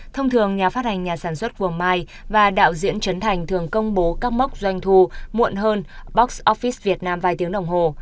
thông thường nhà phát hành nhà sản xuất vườn mai và đạo diễn trấn thành thường công bố các mốc doanh thu muộn hơn box office việt nam vài tiếng đồng hồ